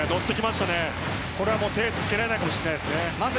これは手をつけられないかもしれません。